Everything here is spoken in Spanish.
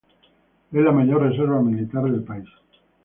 Es la mayor reserva militar del país.